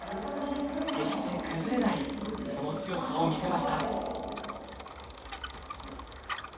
決して崩れないその強さを見せました。